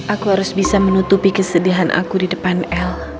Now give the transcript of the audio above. aku harus bisa menutupi kesedihan aku di depan el